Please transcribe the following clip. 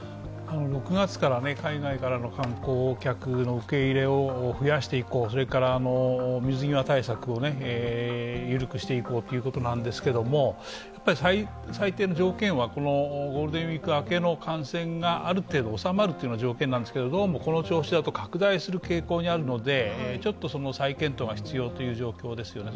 ６月から海外からの観光客の受け入れを増やしていこう、それから水際対策を緩くしていこうということなんですけれども最低の条件は、このゴールデンウイーク明けの感染がある程度収まるというのが条件なんですけれども、どうもこの調子だと、拡大する傾向にあるので再検討が必要という状況ですよね。